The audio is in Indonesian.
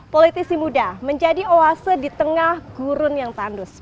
politisi muda menjadi oase di tengah gurun yang tandus